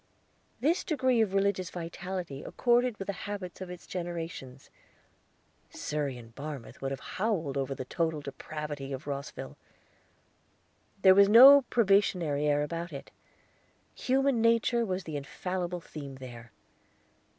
This degree of religious vitality accorded with the habits of its generations. Surrey and Barmouth would have howled over the Total Depravity of Rosville. There was no probationary air about it. Human Nature was the infallible theme there.